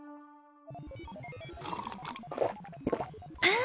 あ。